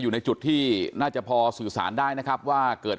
ก็คือตอนนี้นะคะถ้าเป็นเหตุการณ์นั้นล่าสุด